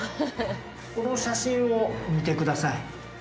この写真を見てください。